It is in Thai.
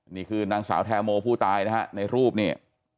นี่คือนางสาวแทโมผู้ตายนะฮะในรูปนี่